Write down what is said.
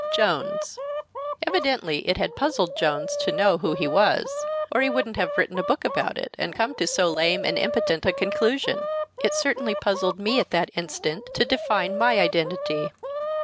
Jones." Evidently it had puzzled Jones to know who he was, or he wouldn't have written a book about it, and come to so lame and impotent a conclusion. It certainly puzzled me at that instant to define my identity.